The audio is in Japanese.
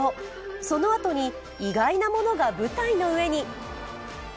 そのあとに意外なものが舞台の上に。